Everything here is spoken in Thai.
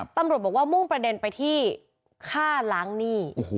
ตำรวจบอกว่ามุ่งประเด็นไปที่ฆ่าล้างหนี้